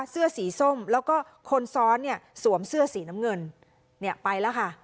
เสื้อสีส้มแล้วก็คนซ้อนเนี่ยสวมเสื้อสีน้ำเงินเนี่ยไปแล้วค่ะ